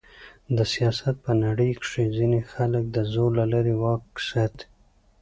د سیاست په نړۍ کښي ځينې خلک د زور له لاري واک ساتي.